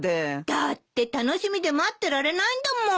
だって楽しみで待ってられないんだもん。